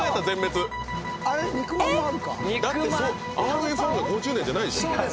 だって「ＲＦ１」は５０年じゃないでしょ。